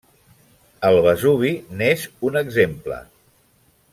El Vesuvi n'és un exemple.